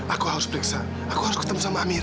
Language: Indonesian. aku harus periksa aku harus ketemu sama amir